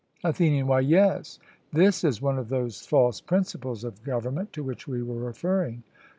ATHENIAN: Why, yes, this is one of those false principles of government to which we were referring.